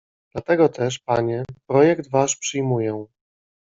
"Dlatego też, panie, projekt wasz przyjmuję."